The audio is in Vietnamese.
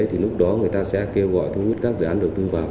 thì lúc đó người ta sẽ kêu gọi thu hút các dự án đầu tư vào